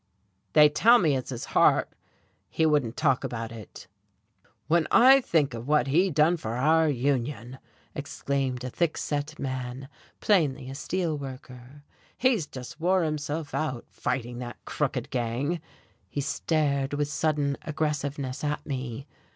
"They tell me it's his heart. He wouldn't talk about it." "When I think of what he done for our union!" exclaimed a thick set man, plainly a steel worker. "He's just wore himself out, fighting that crooked gang." He stared with sudden aggressiveness at me.